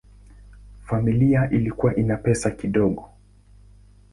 Familia ilikuwa ina pesa kidogo.